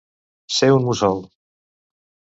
Ser un mussol.